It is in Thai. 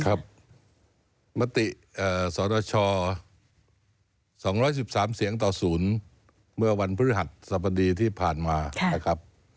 ครับมติสรช๒๑๓เสียงต่อ๐เมื่อวันพฤหัสสมดีที่ผ่านมา